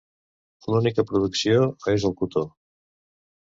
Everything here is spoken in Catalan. L'única producció és el cotó.